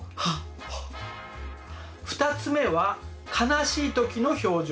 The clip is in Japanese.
２つ目は悲しい時の表情。